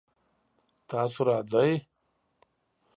تاسو راځئ؟